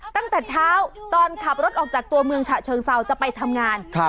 ตั้งแต่เช้าตอนขับรถออกจากตัวเมืองฉะเชิงเซาจะไปทำงาน